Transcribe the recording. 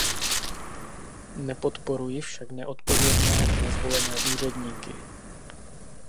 Nepodporuji však neodpovědné, nezvolené úředníky.